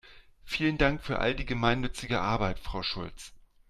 Vielen Dank für all die gemeinnützige Arbeit, Frau Schulz!